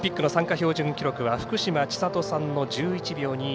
標準記録は福島千里さんの１１秒２１。